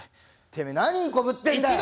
てめえ何いい子ぶってんだよ。